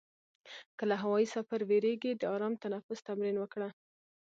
که له هوایي سفر وېرېږې، د آرام تنفس تمرین وکړه.